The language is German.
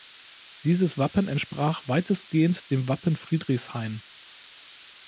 Dieses Wappen entsprach weitestgehend dem Wappen Friedrichshain.